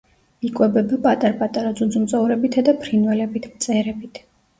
იკვებება პატარ-პატარა ძუძუმწოვრებითა და ფრინველებით, მწერებით.